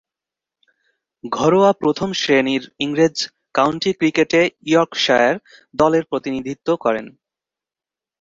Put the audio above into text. ঘরোয়া প্রথম-শ্রেণীর ইংরেজ কাউন্টি ক্রিকেটে ইয়র্কশায়ার দলের প্রতিনিধিত্ব করেন।